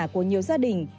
của nhiều gia đình